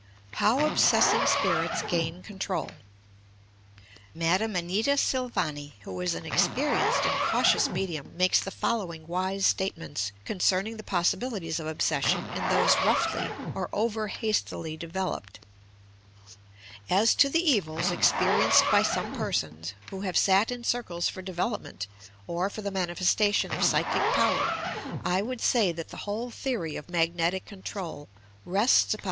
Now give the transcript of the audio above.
HOW OBSESSING SPIftlTS GAIN CONTHOL Madam Anita Silvani, who is an experienced and cau tious medium, makes the following wi.se statements, con cerning the possibilities o£ obsession in those roughly or over hastily developed: "As to the evils, experi enced by some persons, who have sat in circles for devel opment or for the manifestation of psychic power I would say that the whole theory of magnetic control rests upon t TOUR PSYCHIC POWERS ^f 20!